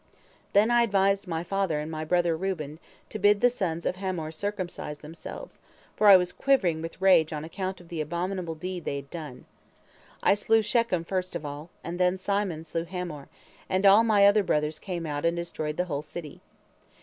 Then I advised my father and my brother Reuben to bid the sons of Hamor circumcise themselves, for I was quivering with rage on account of the abominable deed they had done. I slew Shechem first of all, and then Simon slew Hamor, and all my other brothers came out and destroyed the whole city.